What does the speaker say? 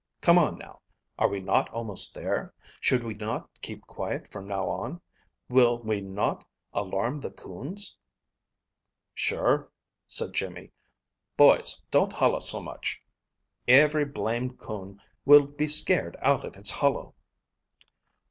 Come on, now! Are we not almost there? Should we not keep quiet from now on? Will we not alarm the coons?" "Sure," said Jimmy. "Boys, don't hollo so much. Every blamed coon will be scared out of its hollow!"